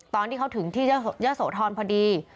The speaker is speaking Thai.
ตอนที่เขาถึงที่เยอะโสธรพอดี